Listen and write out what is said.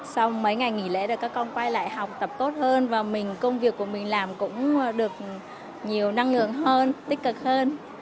sau mấy ngày nghỉ lễ thì các con quay lại học tập tốt hơn và mình công việc của mình làm cũng được nhiều năng lượng hơn tích cực hơn